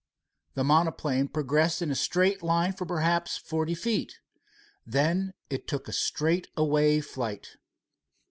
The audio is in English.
The monoplane progressed in a straight line for perhaps forty feet. Then it took a straightaway flight.